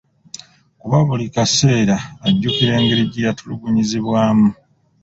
Kuba buli kaseera ajjukira engeri gye yatulugunyizibwamu.